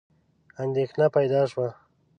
اندېښنه پیدا شوه.